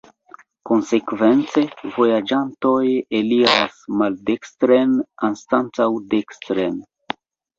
Konsekvence, vojaĝantoj eliras maldekstren anstataŭ dekstren.